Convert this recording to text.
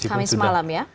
kamis malam ya